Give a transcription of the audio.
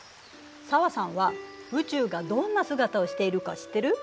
紗和さんは宇宙がどんな姿をしているか知ってる？